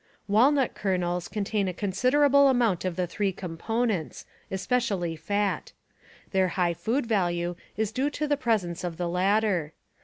Walnut kernels contain a considerable amount of the three com ponents, especially fat. Their high food value is due to the presence of the latter.